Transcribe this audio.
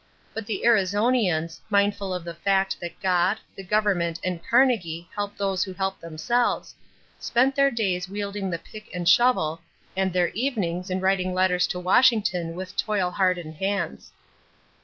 But the Arizonians, mindful of the fact that God, the government, and Carnegie help those who help themselves, spent their days wielding the pick and shovel, and their evenings in writing letters to Washington with toil hardened hands.